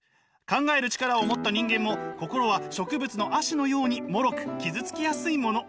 考える力を持った人間も心は植物の葦のようにもろく傷つきやすいもの。